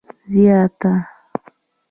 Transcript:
زیاته